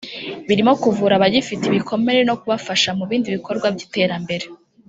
birimo kuvura abagifite ibikomere no kubafasha mu bindi bikorwa by’iterambere